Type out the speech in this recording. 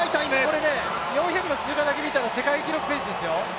これ４００の通過だけみたら世界記録ペースですよ。